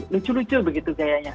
lucu lucu begitu gayanya